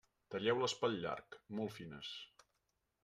Talleu-les pel llarg, molt fines.